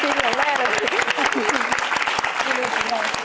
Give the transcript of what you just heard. เหลืองแรกเลย